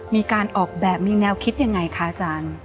มีการออกแบบมีแนวคิดยังไงคะอาจารย์